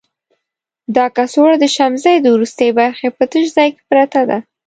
دا کڅوړه د شمزۍ د وروستي برخې په تش ځای کې پرته ده.